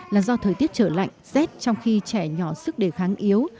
là do thời tiết trở lạnh rét trong khi trẻ nhỏ sức đề kháng yếu